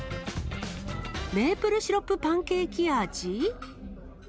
メープルシロップパンケーキ味？